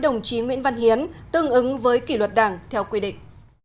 nguyễn văn hiến tương ứng với kỷ luật đảng theo quy định